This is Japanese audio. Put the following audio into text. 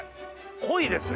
濃いですね。